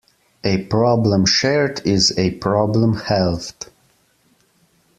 A problem shared is a problem halved.